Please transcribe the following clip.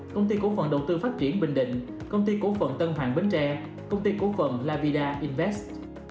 công ty cố phận đầu tư phát triển bình định công ty cố phận tân hoàng bến tre công ty cố phận lavida invest